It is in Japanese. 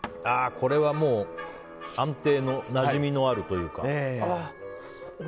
これは、安定のなじみのあるというか。